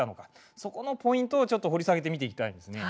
そこのポイントをちょっと掘り下げて見ていきたいんですね。